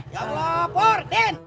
ya allah purkin